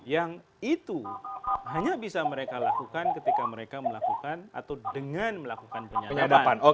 yang itu hanya bisa mereka lakukan ketika mereka melakukan atau dengan melakukan penyadapan